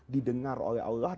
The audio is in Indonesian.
didengar oleh allah